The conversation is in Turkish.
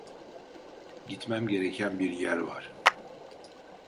Gitmem gereken bir yer var.